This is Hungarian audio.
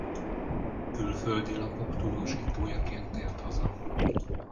Külföldi lapok tudósítójaként tért haza.